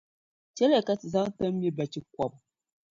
Chɛliya ka ti zaŋ ti ni mi bachikɔbʼ.